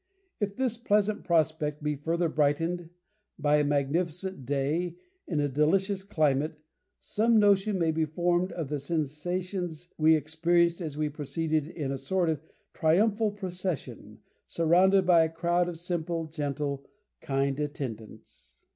If this pleasant prospect be further brightened by a magnificent day, in a delicious climate, some notion may be formed of the sensations we experienced as we proceeded in a sort of triumphal procession, surrounded by a crowd of simple, gentle, kind attendants."